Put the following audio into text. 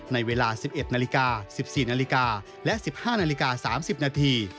ในเวลา๑๑นาฬิกา๑๔นาฬิกาและ๑๕นาฬิกา๓๐นาที